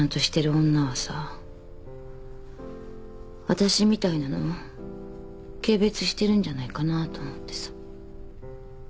私みたいなの軽蔑してるんじゃないかなと思ってさ。